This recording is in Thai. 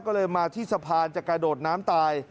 ก็เลยมาที่สะพานจะกระโดดน้ำตาย